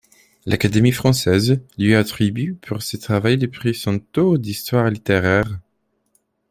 L'Académie française lui attribue pour ce travail le prix Saintour d'histoire littéraire.